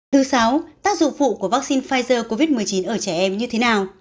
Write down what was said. thứ sáu tác dụng phụ của vaccine pfizer covid một mươi chín ở trẻ em như thế nào